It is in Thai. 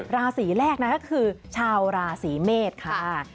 ราศีแรกนะคะก็คือชาวราศีเมษค่ะ